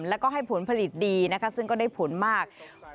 แล้วก็ให้ผลผลิตดีนะคะซึ่งก็ได้ผลมาก